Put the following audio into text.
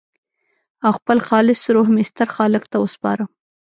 او خپل خالص روح مې ستر خالق ته وسپاره.